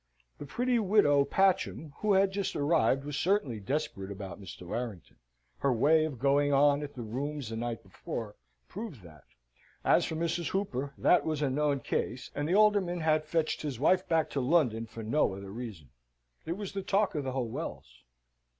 The pretty widow Patcham who had just arrived was certainly desperate about Mr. Warrington: her way of going on at the rooms, the night before, proved that. As for Mrs. Hooper, that was a known case, and the Alderman had fetched his wife back to London for no other reason. It was the talk of the whole Wells.